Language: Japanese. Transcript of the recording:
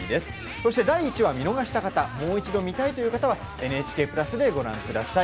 そして、第１話、見逃した方もう一度、見たいという方は「ＮＨＫプラス」でご覧ください。